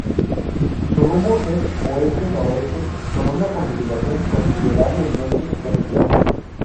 Su rumbo es oeste-noroeste, con una configuración considerablemente rectilínea.